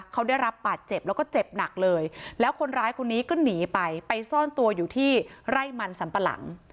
เขาได้รับบาดเจ็บแล้วก็เจ็บหนักเลยแล้วคนร้ายคนนี้ก็หนีไปไปซ่อนตัวอยู่ที่ไร่มันสัมปะหลัง